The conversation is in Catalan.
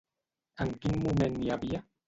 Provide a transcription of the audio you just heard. En quin moment n'hi havia?